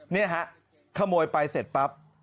นี่ฮะขโมยไปเสร็จปั๊บ